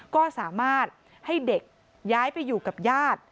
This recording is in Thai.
ก็สามารถให้เด็กย้ายไปอยู่กับญาติ